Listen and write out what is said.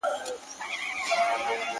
o هسي نه هغه باور.